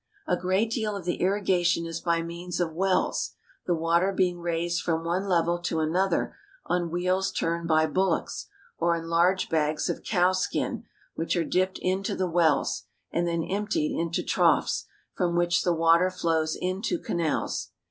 A great deal of the irrigation is by means of wells, the water being raised from one level to another on wheels turned by bullocks, or in large bags of cow skin, which are dipped into the wells, and then emptied into troughs, from which the water flows into canals.